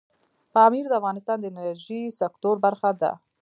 پامیر د افغانستان د انرژۍ سکتور برخه ده.